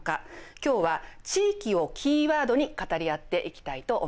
今日は「地域」をキーワードに語り合っていきたいと思います。